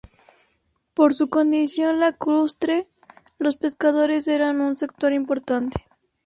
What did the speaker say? Por su condición lacustre, los pescadores eran un sector importante.